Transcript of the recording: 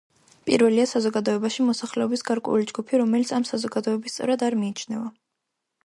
პირველია საზოგადოებაში მოსახლეობის გარკვეული ჯგუფი, რომელიც ამ საზოგადოების წევრად არ მიიჩნევა.